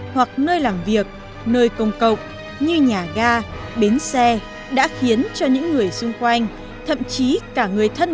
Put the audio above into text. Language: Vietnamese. hoặc nơi làm việc nơi công cộng như nhà ga bến xe đã khiến cho những người xung quanh thậm chí cả người thân